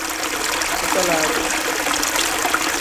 Kifalag.